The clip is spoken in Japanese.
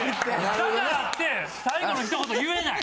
だからって最後の一言言えない。